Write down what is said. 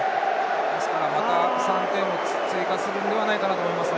ですから、また３点を追加するのではないかと思います。